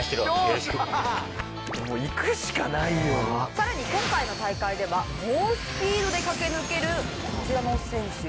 さらに今回の大会では猛スピードで駆け抜けるこちらの選手